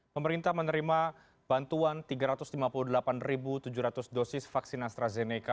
pemerintah menerima bantuan tiga ratus lima puluh delapan tujuh ratus dosis vaksin astrazeneca